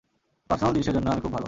Personal জিনিসের জন্য আমি খুব ভালো।